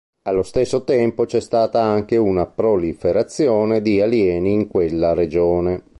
Allo stesso tempo c'è stata anche una proliferazione di alieni in quella regione.